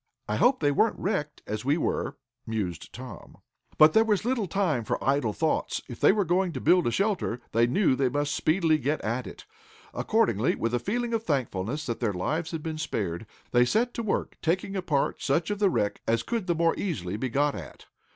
"I hope they weren't wrecked, as we were," mused Tom. But there was little time for idle thoughts. If they were going to build a shelter, they knew that they must speedily get at it. Accordingly, with a feeling of thankfulness that their lives had been spared, they set to work taking apart such of the wreck as could the more easily be got at.